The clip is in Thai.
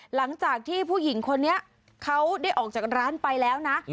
หลังจากที่ผู้หญิงคนนี้เขาได้ออกจากร้านไปแล้วนะ